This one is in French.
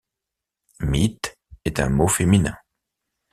Mite est un mot féminin.